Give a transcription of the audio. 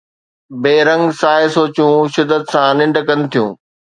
بي رنگ سائي سوچون شدت سان ننڊ ڪن ٿيون